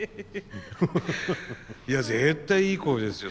いや絶対いい声ですよ。